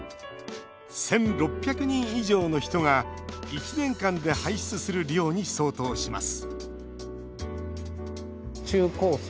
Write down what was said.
１６００人以上の人が１年間で排出する量に相当します